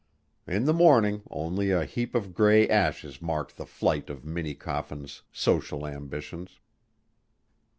In the morning only a heap of gray ashes marked the flight of Minnie Coffin's social ambitions.